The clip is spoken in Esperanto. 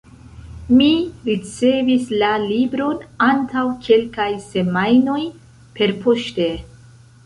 Mi ricevis la libron antaŭ kelkaj semajnoj perpoŝte.